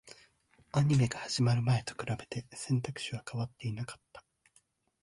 アニメが始まる前と比べて、選択肢は変わっていなかった